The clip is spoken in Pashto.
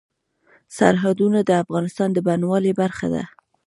سرحدونه د افغانستان د بڼوالۍ برخه ده.